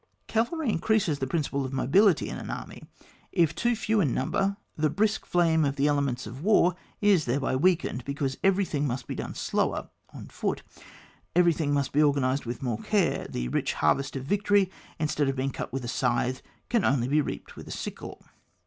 Cavalry increases the principle of mobility in an army. If too few in number the brisk flame of the elements of war is thereby weakened, because everything must be done slower (on foot), everything must be organised with more care ; the rich harvest of victory, instead of being cut with a scythe, can only be reaped with a sickle.